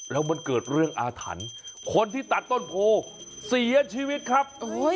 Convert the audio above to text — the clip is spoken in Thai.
แล้วมันเกิดเรื่องอาถรรพ์คนที่ตัดต้นโพเสียชีวิตครับ